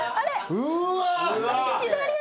うわ。